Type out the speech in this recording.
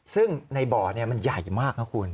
ซึ่งในบ่อมันใหญ่มากนะคุณ